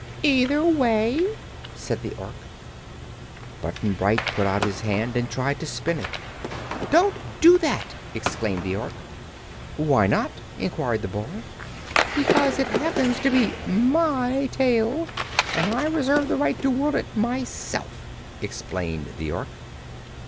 "Either way," said the Ork. Button Bright put out his hand and tried to spin it. "Don't do that!" exclaimed the Ork. "Why not?" inquired the boy. "Because it happens to be my tail, and I reserve the right to whirl it myself," explained the Ork.